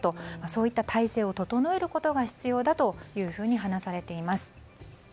そういった体制を整えることが必要だと話されています。